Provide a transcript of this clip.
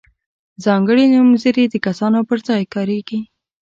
ځانګړي نومځري د کسانو پر ځای کاریږي.